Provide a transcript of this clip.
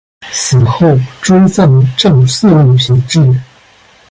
死后追赠正四位品秩。